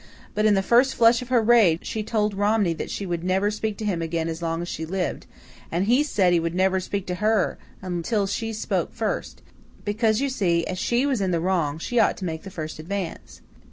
But, in the first flush of her rage, she told Romney that she would never speak to him again as long as she lived. And HE said he would never speak to her until she spoke first because, you see, as she was in the wrong she ought to make the first advance.